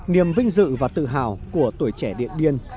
niềm vinh dự và tự hào của tuổi trẻ điện biên